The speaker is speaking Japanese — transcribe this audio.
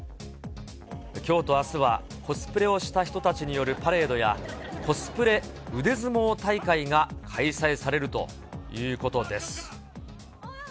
きょうとあすは、コスプレをした人たちによるパレードや、コスプレ腕相撲大会が開催されるということです。